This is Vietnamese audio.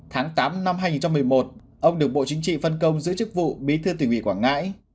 tháng tám năm hai nghìn một mươi một ông được bộ chính trị phân công giữ chức vụ bí thư tỉnh ủy quảng ngãi